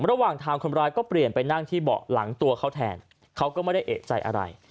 ระหว่างทางคนร้ายก็เปลี่ยนไปนั่งที่เบาะหลังตัวเขาแทนเขาก็ไม่ได้เอกใจอะไร